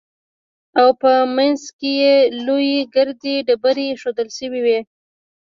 او په منځ کښې يې لويې ګردې ډبرې ايښوول سوې وې.